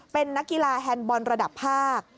เป็นนักกีฬาแฮนด์บอลระดับภาค